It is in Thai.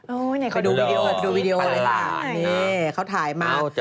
โอ้ยไหนเขาดูวิดีโอเหรอดูวิดีโอเลยค่ะเนี่ยเขาถ่ายมา